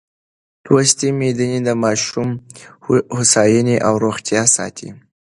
لوستې میندې د ماشوم هوساینه او روغتیا ساتي.